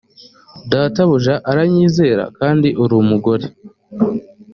databuja aranyizera kandi uri umugore